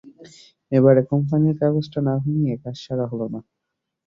এবারে কোম্পানির কাগজটা না ভাঙিয়ে কাজ সারা হল না।